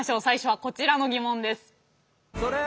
最初はこちらのギモンです。